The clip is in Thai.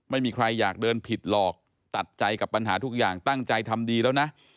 ไม่มีใครอยากเดินผิดหรอกตัดใจกับปัญหาทุกอย่างตั้งใจทำดีแล้วนะ